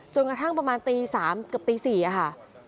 กระทั่งประมาณตี๓เกือบตี๔ค่ะ